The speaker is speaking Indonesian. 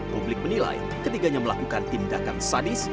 publik menilai ketiganya melakukan tindakan sadis